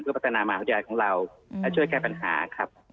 พัฒนามหาวิทยาลัยของเราและช่วยแก้ปัญหาครับ